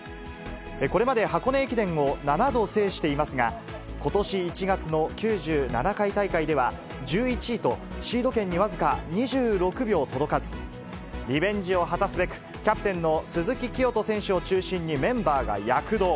これまで箱根駅伝を７度制していますが、ことし１月の９７回大会では１１位と、シード権に僅か２６秒届かず、リベンジを果たすべく、キャプテンの鈴木聖人選手を中心に、メンバーが躍動。